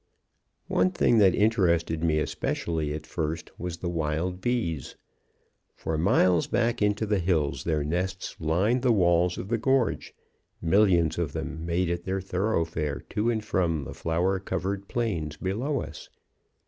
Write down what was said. "One thing that interested me especially at first was the wild bees. For miles back into the hills their nests lined the walls of the gorge. Millions of them made it their thoroughfare to and from the flower covered plains below us.